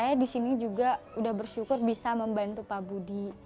saya di sini juga sudah bersyukur bisa membantu pak budi